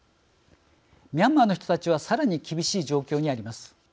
ミャンマーの人たちはさらに厳しい状況にあります。